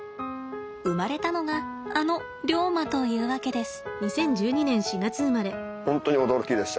生まれたのがあのリョウマというわけです。